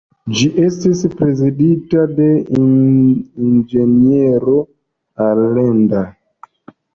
Ĝi estis prezidita de inĝeniero Allende.